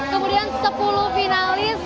kemudian sepuluh finalis